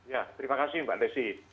ya terima kasih mbak desi